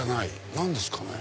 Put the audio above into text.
何ですかね？